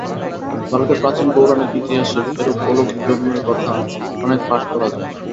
ভারতের প্রাচীন পৌরাণিক ইতিহাসে এরূপ অলৌকিক জন্মের কথা অনেক পাঠ করা যায়।